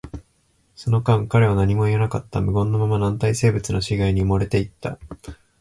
その間、彼は何も言わなかった。無言のまま、軟体生物の死骸に埋もれていった。